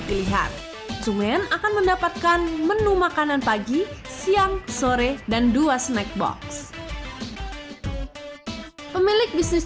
pilihan sumen akan mendapatkan menu makanan pagi siang sore dan dua snack box pemilik bisnis